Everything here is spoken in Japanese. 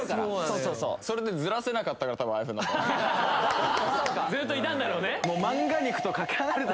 そうそうそうそれでズラせなかったから多分ああいうふうになったずっといたんだろうね